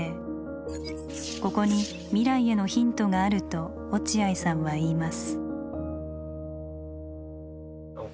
ここに未来へのヒントがあると落合さんは言います。